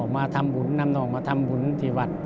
มาทำบุญนำน้องมาทำบุญที่วัด